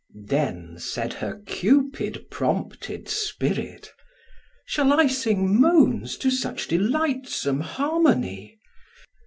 Then said her Cupid prompted spirit: "Shall I Sing moans to such delightsome harmony?